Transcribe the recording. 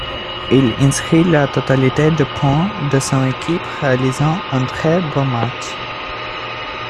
Il inscrit la totalité des points de son équipe réalisant un très bon match.